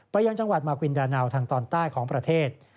ยังจังหวัดมากวินดานาวทางตอนใต้ของประเทศ